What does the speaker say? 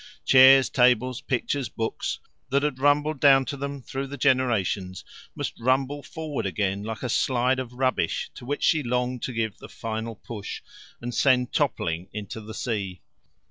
Chairs, tables, pictures, books, that had rumbled down to them through the generations, must rumble forward again like a slide of rubbish to which she longed to give the final push, and send toppling into the sea.